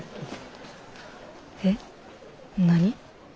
何？